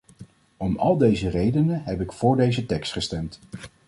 Om al deze redenen heb ik voor deze tekst gestemd.